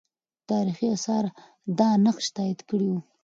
تاریخي آثار دا نقش تایید کړی وو.